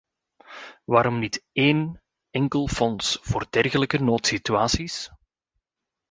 Waarom niet één enkel fonds voor dergelijke noodsituaties?